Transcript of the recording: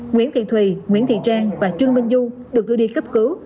nguyễn thị thùy nguyễn thị trang và trương minh du được đưa đi cấp cứu